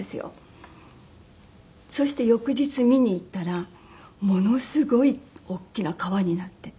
そして翌日見に行ったらものすごい大きな川になってて。